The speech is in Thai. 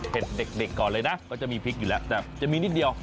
เด็กก่อนเลยนะก็จะมีพริกอยู่แล้วแต่จะมีนิดเดียว